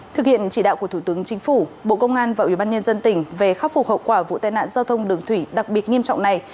thực hiện chỉ đạo của thủ tướng chính phủ bộ công an và ủy ban nhân dân tỉnh về khắc phục hậu quả vụ tai nạn giao thông đường thủy đặc biệt nghiêm trọng này